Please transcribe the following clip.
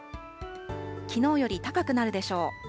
きのうより高くなるでしょう。